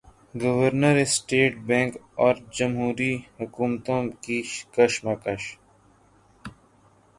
governor state bank اور جمہوری حکومتوں کی کشمکش